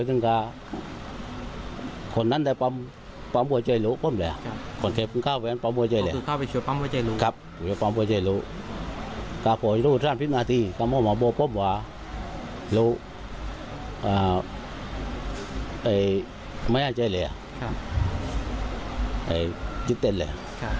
อย่าความพูดเจ๋ยรู้ถ้าพ่ออยู่ท่านพิษนาธิถ้าพ่อมาบอกผมว่ารู้ไม่ได้เจ๋ยเลยจิตเต้นเลย